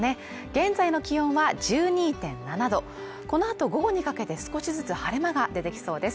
現在の気温は１２．７度このあと午後にかけて少しずつ晴れ間が出てきそうです